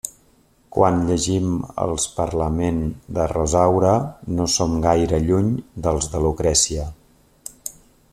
Quan llegim els parlament de Rosaura no som gaire lluny dels de Lucrècia.